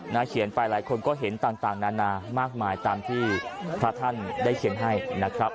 เขียนไปหลายคนก็เห็นต่างนานามากมายตามที่พระท่านได้เขียนให้นะครับ